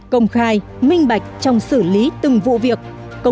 công khai minh bạch trong xử lý từng vụ việc